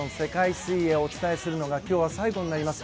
水泳お伝えするのが今日が最後になります。